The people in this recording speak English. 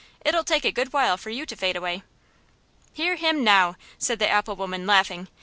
"It'll take a good while for you to fade away." "Hear him now," said the apple woman, laughing.